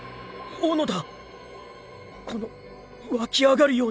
小野田⁉